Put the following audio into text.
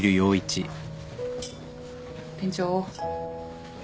店長。